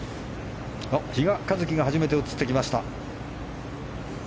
比嘉一貴が初めて映ってきました。